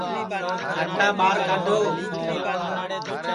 کھٹاں ٻار کھڈھ سؤاں